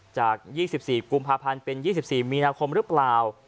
จาก๒๔กุมภาพันธ์เป็น๒๔มีนาคมหรือเปล่า